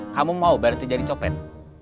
kamu mau berhenti jadi copet